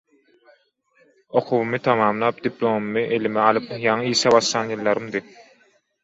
Okuwymy tamamlap, diplomymy elime alyp, ýaňy işe başlan ýyllarymdy.